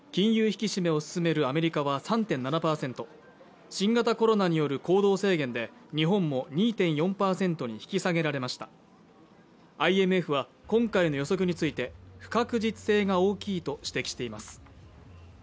引き締めを進めるアメリカは３．７％新型コロナによる行動制限で日本も２．４％に引き下げられましたＩＭＦは今回の予測について不確実性が大きいと指摘しています